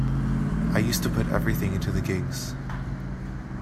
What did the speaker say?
I used to put everything into the gigs.